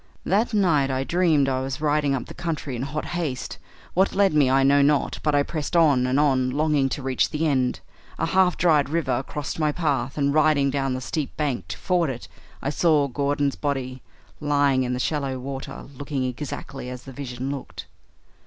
That night I dreamed I was riding up the country in hot haste; what led me I know not, but I pressed on and on, longing to reach the end. A half dried river crossed my path, and, riding down the steep bank to ford it, I saw Gordon's body lying in the shallow water looking exactly as the vision looked.